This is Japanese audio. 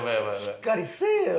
しっかりせえよ！